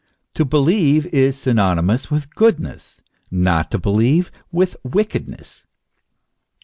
To believe, is synony mous with goodness; not to believe, with wickedness.